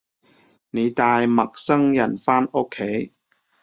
你帶陌生人返屋企